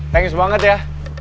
thanks banget ya